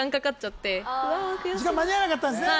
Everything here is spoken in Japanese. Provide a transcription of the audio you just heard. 時間間に合わなかったんすね